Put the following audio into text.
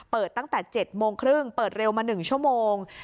ตั้งแต่๗โมงครึ่งเปิดเร็วมา๑ชั่วโมง